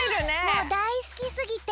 もうだいすきすぎて。